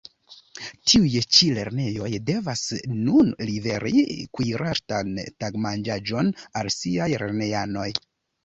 Tiuj ĉi lernejoj devas nun liveri kuiritan tagmanĝon al siaj lernejanoj.